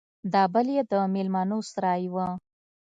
دا بل يې د ميلمنو سراى و.